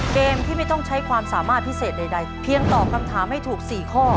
เกมที่ไม่ต้องใช้ความสามารถพิเศษใดเพียงตอบคำถามให้ถูก๔ข้อ